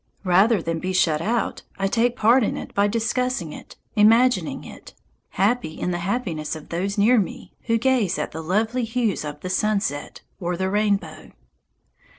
Rather than be shut out, I take part in it by discussing it, imagining it, happy in the happiness of those near me who gaze at the lovely hues of the sunset or the rainbow.